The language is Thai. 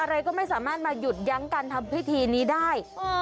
อะไรก็ไม่สามารถมาหยุดยั้งการทำพิธีนี้ได้